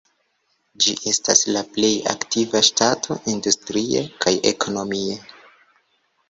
Ĝi estas la plej aktiva ŝtato industrie kaj ekonomie.